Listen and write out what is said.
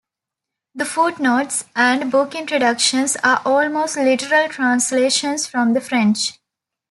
The footnotes and book introductions are almost literal translations from the French.